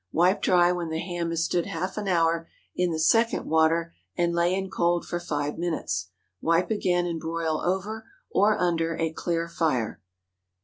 Wipe dry when the ham has stood half an hour in the second water, and lay in cold for five minutes. Wipe again and broil over (or under) a clear fire.